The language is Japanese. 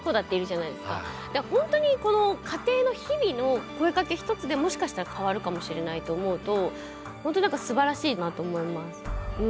本当にこの家庭の日々の声かけ一つでもしかしたら変わるかもしれないと思うと本当なんかすばらしいなと思います。